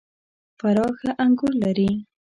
فراه ښه انګور لري .